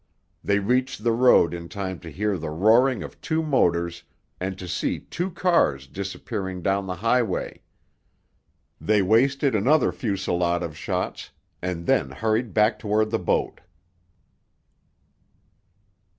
They reached the road in time to hear the roaring of two motors and to see two cars disappearing down the highway. They wasted another fusillade of shots, and then hurried back toward the boat.